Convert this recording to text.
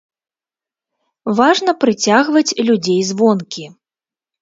Важна прыцягваць людзей звонкі.